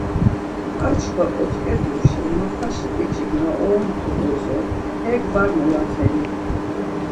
Ar çkva otzǩeduis mapaşi biç̌ik na oromt̆u bozo hek var molaxeni?